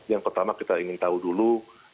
yang pertama kita ingin tahu dulu